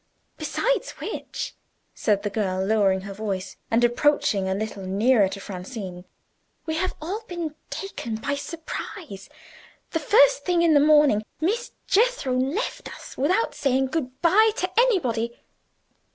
Besides which," said the girl, lowering her voice, and approaching a little nearer to Francine, "we have all been taken by surprise. The first thing in the morning Miss Jethro left us, without saying good by to anybody."